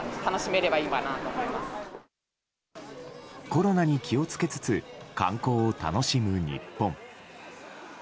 コロナに気を付けつつ観光を楽しむ日本。